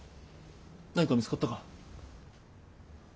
何か見つかったか？